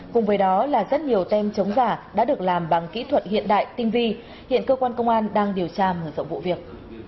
cùng với đó là rất nhiều tem chống giả đã được làm bằng kỹ thuật hiện đại tinh vi hiện cơ quan công an đang điều tra mở rộng vụ việc